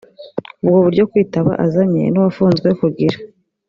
ubwo buryo kwitaba azanye n uwafunzwe kugira